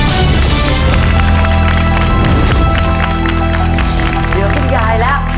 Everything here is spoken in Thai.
เดี๋ยวคุณยายแล้ว